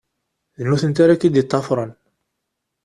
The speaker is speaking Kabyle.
D nutenti ara ak-id-ṭṭafern.